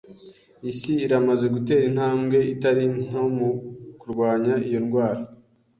Isi iramaze gutera intambwe itari nto mu kurwanya iyo ndwara.